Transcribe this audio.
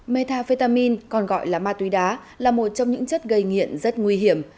metafetamin còn gọi là ma túy đá là một trong những chất gây nghiện rất nguy hiểm